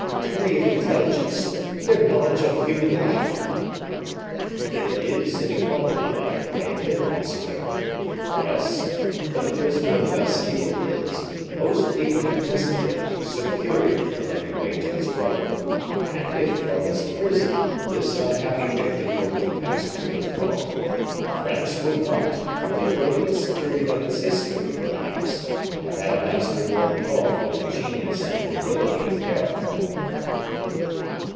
degree of intelligence? their knowledge of human life?" "There is inequality there, I admit, monseigneur. Yes; for the prisoner of the Bastile is, most incontestably, superior in every way to his brother; and if, from his prison, this unhappy victim were to pass to the throne, France would not, from the earliest period of its history, perhaps, have had a master more powerful in genius and nobility of character."